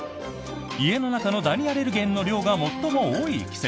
家の中のダニアレルゲンの量が最も多い季節。